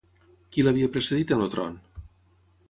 Qui l'havia precedit en el tron?